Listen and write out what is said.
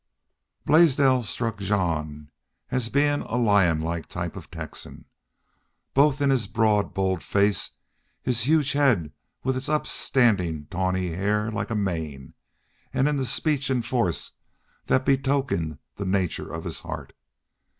Blaisdell struck Jean as being a lionlike type of Texan, both in his broad, bold face, his huge head with its upstanding tawny hair like a mane, and in the speech and force that betokened the nature of his heart.